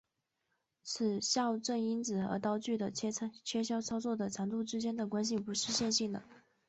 此校正因子和刀具的切削操作的长度之间的关系不是线性的。